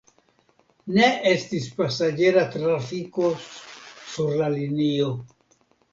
Ne estis pasaĝera trafiko sur la linio.